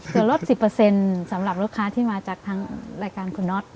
ส่วนลด๑๐สำหรับลูกค้าที่มาจากทางรายการคุณน็อต